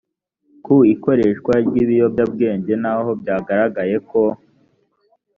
ku ikoreshwa ry ibiyobyabwenge naho byagaragaye ko